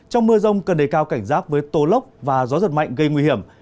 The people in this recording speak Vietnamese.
trong mưa rông cần đề cao cảnh giác với tố lốc và gió giật mạnh gây nguy hiểm